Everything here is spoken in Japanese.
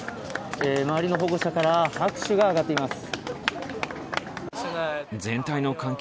周りの保護者から拍手が上がっています。